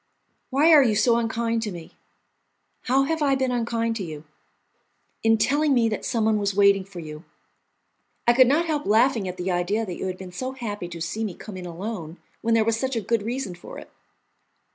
"Why are you so unkind to me?" "How have I been unkind to you?" "In telling me that someone was waiting for you." "I could not help laughing at the idea that you had been so happy to see me come in alone when there was such a good reason for it."